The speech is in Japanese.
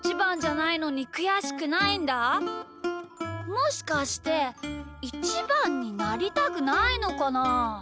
もしかしてイチバンになりたくないのかな？